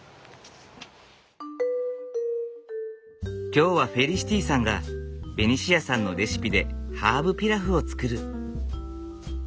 今日はフェリシティさんがベニシアさんのレシピでハーブピラフを作る。